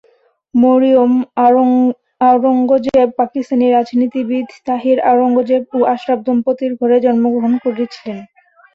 মরিয়ম আওরঙ্গজেব পাকিস্তানি রাজনীতিবিদ তাহির আওরঙ্গজেব ও আশরাফ দম্পতির ঘরে জন্মগ্রহণ করেছিলেন।